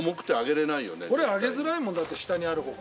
これ上げづらいもんだって下にある方が。